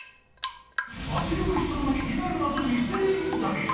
街行く人の気になる謎ミステリーインタビュー。